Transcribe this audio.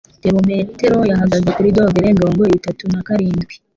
Therometero yahagaze kuri dogere mirongo itatu n'akarindwi.